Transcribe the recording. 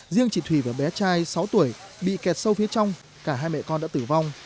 riêng chị thùy và bé trai sáu tuổi bị kẹt sâu phía trong cả hai mẹ con đã tử vong